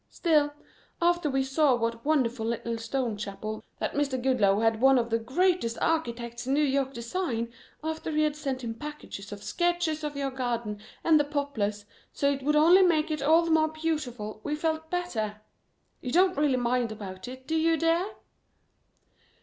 Still, after we saw that wonderful little stone chapel that Mr. Goodloe had one of the greatest architects in New York design, after he had sent him packages of sketches of your garden and the Poplars, so it would only make it all the more beautiful, we felt better. You don't really mind about it, do you, dear?"